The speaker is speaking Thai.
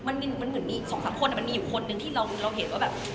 มันมี๒๓คนมี๑คนที่เราเห็นว่าแบบ